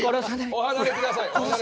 お離れください